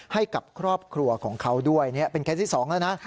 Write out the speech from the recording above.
ให้กับครอบครัวของเขาด้วยนี่เป็นเคสที่๒แล้วนะ